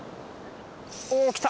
おきた